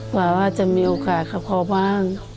กลัวว่าจะมีโอกาสกับพ่อบ้าง